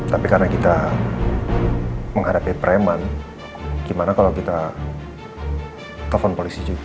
tapi karena kita menghadapi preman gimana kalau kita telepon polisi juga